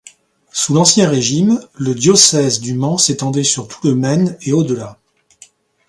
Sous l'Ancien régime, le diocèse du Mans s'étendait sur tout le Maine et au-delà.